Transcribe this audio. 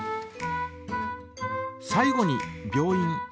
最後に病院。